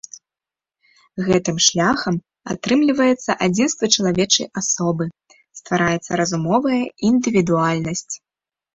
Гэтым шляхам падтрымліваецца адзінства чалавечай асобы, ствараецца разумовая індывідуальнасць.